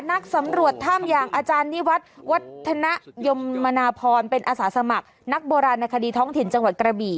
อาจารย์นี่วัดวัดธนายมนาพรเป็นอาสาสมัครนักโบราณนาคดีท้องเถียนจังหวัดกระบี่